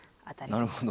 なるほど。